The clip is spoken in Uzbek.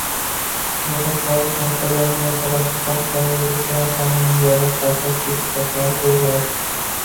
ro‘yxatga olish markazlarining vakolatli shaxslariga elektron raqamli imzolar kalitlari sertifikatlarini beradi;